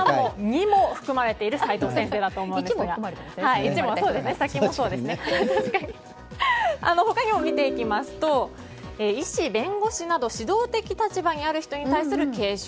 ２にも含まれている先生だと思いますが他にも見ていきますと医師、弁護士など指導的立場にある人に対する敬称。